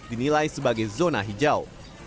dinilai sebagai zona hijau